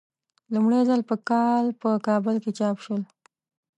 لومړی ځل په کال په کابل کې چاپ شوی.